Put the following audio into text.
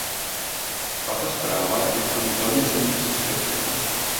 Tato zpráva je k tomu velmi cenným příspěvkem.